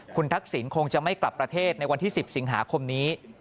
คุณทักษิณคงจะไม่กลับประเทศในวันที่๑๐สิงหาคมนี้